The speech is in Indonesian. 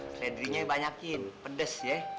seledrinya banyakin pedes ya